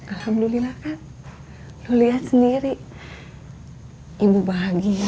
alhamdulillah kan lu lihat sendiri ibu bahagia